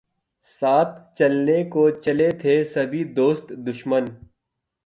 ساتھ چلنے کو چلے تھے سبھی دوست دشمن